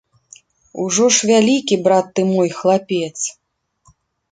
Ужо ж вялікі, брат ты мой, хлапец!